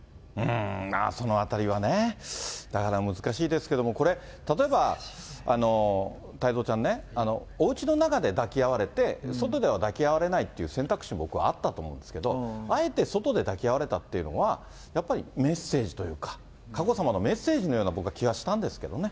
そのあたりはね、だから難しいですけれども、これ、例えば、太蔵ちゃんね、おうちの中で抱き合われて、外では抱き合われないっていう選択肢も僕はあったと思うんですけど、あえて外で抱き合われたというのは、やっぱりメッセージというか、佳子さまのメッセージのような、僕は気がしたんですけどね。